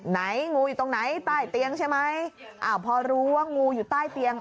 งูอยู่ตรงไหนใต้เตียงใช่ไหมอ้าวพอรู้ว่างูอยู่ใต้เตียง